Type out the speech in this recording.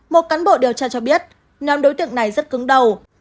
một cán bộ điều tra cho biết nhóm đối tượng này rất cứng đầu